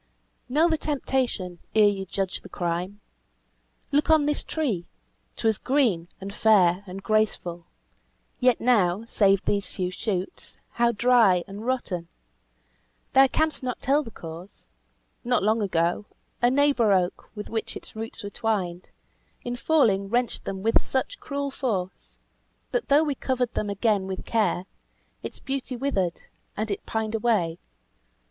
"Know the temptation ere you judge the crime! Look on this tree 'twas green, and fair, and graceful; Yet now, save these few shoots, how dry and rotten! Thou canst not tell the cause. Not long ago, A neighbour oak, with which its roots were twined, In falling wrenched them with such cruel force, That though we covered them again with care, Its beauty withered, and it pined away.